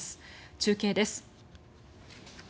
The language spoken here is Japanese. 中継です。